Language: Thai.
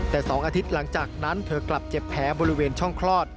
แต่๒อาทิตย์หลังจากนั้นเธอกลับเจ็บแผลบริเวณช่องคลอด